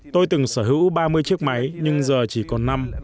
tôi từng sở hữu ba mươi chiếc máy nhưng giờ chỉ còn năm